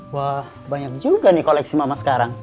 wah banyak juga nih koleksi mama sekarang